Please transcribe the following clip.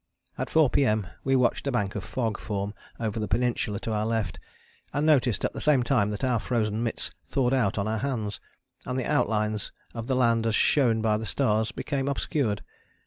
At 4 P.M. we watched a bank of fog form over the peninsula to our left and noticed at the same time that our frozen mitts thawed out on our hands, and the outlines of the land as shown by the stars became obscured.